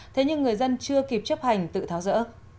thế nhưng người dân chưa kịp chấp hành tự tháo rỡ